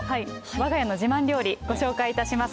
わが家の自慢料理、ご紹介いたします。